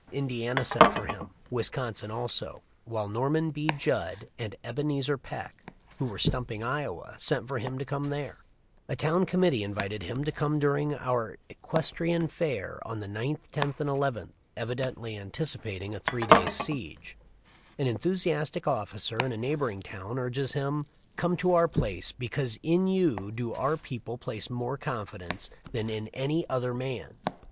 Indiana sent for him, Wisconsin, also, while Norman B. Judd and Ebenezer Peck, who were stumping Iowa, sent for him to come there. * J. R. Giddings, MS. letter, Sept. 18. 1855. THE LIFE OF LINCOLN. 387 A town committee invited him to come during "our Equestrian Fair on the 9th, 10th, and 11th," evidently anticipating a three days' siege. An enthusiastic officer in a neighboring town urges him: "Come to our place, because in you do our people place more confidence than in any other man.